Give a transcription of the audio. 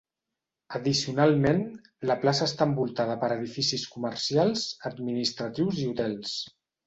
Addicionalment, la plaça està envoltada per edificis comercials, administratius i hotels.